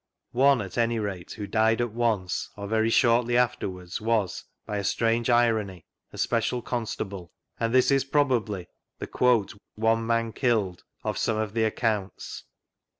. One, at anyrate, who died at once, or very shordy afterwards, was (by a strange irony) a Special Constable, and this is probably the "one man killed" of some of the accounts.